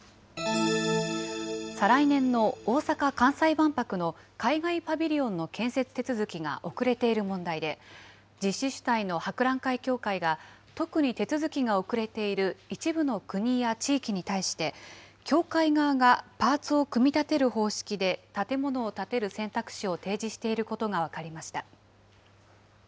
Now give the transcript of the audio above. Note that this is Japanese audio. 再来年の大阪・関西万博の海外パビリオンの建設手続きが遅れている問題で、実施主体の博覧会協会が、特に手続きが遅れている一部の国や地域に対して、協会側がパーツを組み立てる方式で建物を建てる選択肢を提示していることが分かりました。